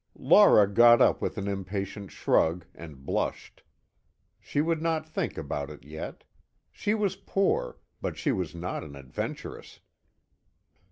Laura got up with an impatient shrug, and blushed. She would not think about it yet. She was poor, but she was not an adventuress.